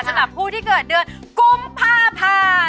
สำหรับผู้ที่เกิดเดือนกุมภา